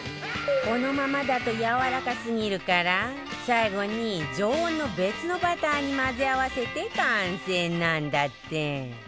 このままだとやわらかすぎるから最後に常温の別のバターに混ぜ合わせて完成なんだって